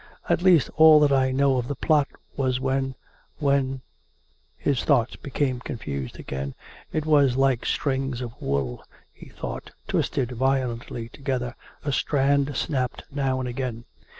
... At least, all that I know of the plot was when ... when " (His thoughts became confused again; it was like strings of wool, he thought, twisted violently together ; a strand snapped now and again.